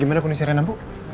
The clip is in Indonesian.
gimana kondisi renan bu